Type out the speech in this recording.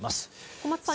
小松さん